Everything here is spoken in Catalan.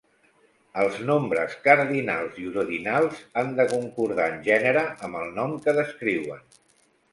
Els nombres cardinals i ordinals han de concordar en gènere amb el nom que descriuen.